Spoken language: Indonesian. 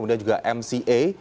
yang juga mca